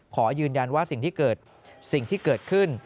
ขอยืนยันว่าสิ่งที่เกิดสิ่งที่เกิดขึ้น